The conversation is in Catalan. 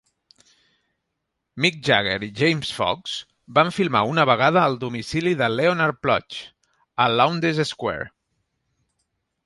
Mick Jagger i James Fox van filmar una vegada al domicili de Leonard Plugge, a Lowndes Square.